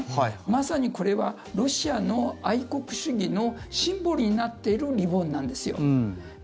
まさに、これはロシアの愛国主義のシンボルになっているリボンなんですよ。